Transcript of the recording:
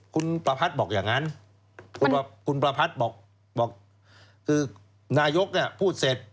คุณประพัทธ์บอกอย่างนั้นคุณประพัทธ์บอกคือนายกพูดเสร็จ